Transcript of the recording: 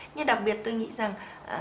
nhưng đặc biệt tôi nghĩ rằng